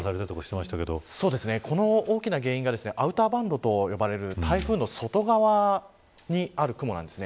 大きな原因がアウターバンドと呼ばれる台風の外側にある雲です。